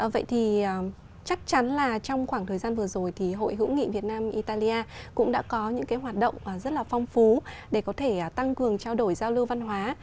vậy thì chắc chắn là trong khoảng thời gian vừa rồi thì hội hữu nghị việt nam italia cũng đã có những cái hoạt động rất là phong phú để có thể tăng cường trao đổi giao lưu văn hóa